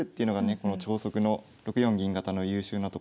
この超速の６四銀型の優秀なところなんですけど。